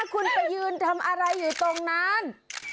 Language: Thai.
คุณไปยืนทำอะไรอยู่ตรงนั้น